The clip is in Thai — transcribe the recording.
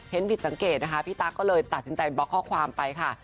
เห็นผิดสังเกตนะคะพี่ตั๊กก็เลยตัดสินใจบล็อกข้อความไปค่ะ